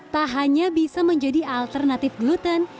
tak hanya bisa menjadi alternatif gluten